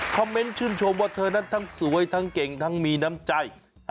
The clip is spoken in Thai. เมนต์ชื่นชมว่าเธอนั้นทั้งสวยทั้งเก่งทั้งมีน้ำใจ